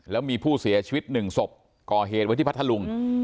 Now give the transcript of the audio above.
แล้วมีผู้เสียชีวิตหนึ่งศพก่อเหตุไว้ที่พัทธลุง